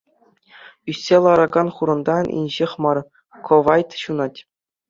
Ӳссе ларакан хурӑнтан инҫех мар кӑвайт ҫунать.